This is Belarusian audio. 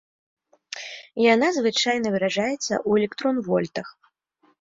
Яна звычайна выражаецца ў электрон-вольтах.